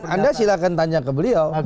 anda silahkan tanya ke beliau